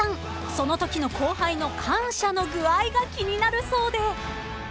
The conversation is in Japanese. ［そのときの後輩の感謝の具合が気になるそうで］